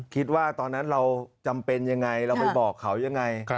คิดว่าตอนนั้นเราจำเป็นยังไงเราไปบอกเขายังไง